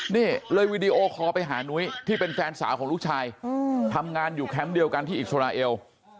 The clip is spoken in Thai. นี่เลยวีดีโอคอลไปหานุ้ยที่เป็นแฟนสาวของลูกชายทำงานอยู่แคมป์เดียวกันที่อิสราเอล